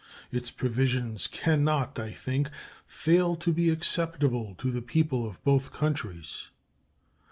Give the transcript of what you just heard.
Its provisions can not, I think, fail to be acceptable to the people of both countries.